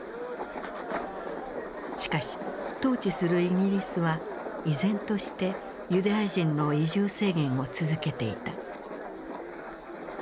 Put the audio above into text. しかし統治するイギリスは依然としてユダヤ人の移住制限を続けていた。